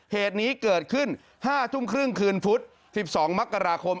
เหตุนี้เกิดขึ้น๕ทุ่มครึ่งคืนพุธ๑๒มกราคม